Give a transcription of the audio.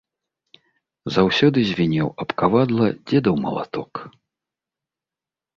Заўсёды звінеў аб кавадла дзедаў малаток.